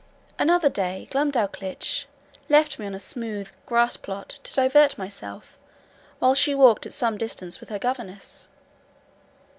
Another day, Glumdalclitch left me on a smooth grass plot to divert myself, while she walked at some distance with her governess.